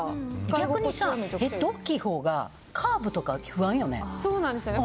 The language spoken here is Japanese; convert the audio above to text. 逆にヘッド大きいほうがカーブとか不安よね。